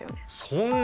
そんな。